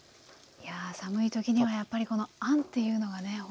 いや寒い時にはやっぱりこのあんっていうのがね